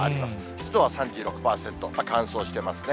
湿度は３６％、乾燥してますね。